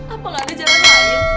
apa nggak ada jalan lain